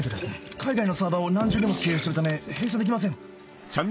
海外のサーバーを何重にも経由しているため閉鎖できません。